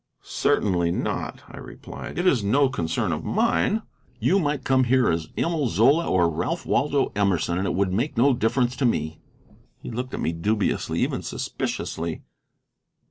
"Certainly not," I replied. "It is no concern of mine. You might come here as Emil Zola or Ralph Waldo Emerson and it would make no difference to me." He looked at me dubiously, even suspiciously.